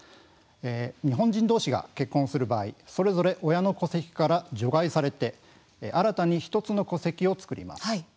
日本人どうしが結婚する場合それぞれ親の戸籍から除外されて新たに１つの戸籍を作ります。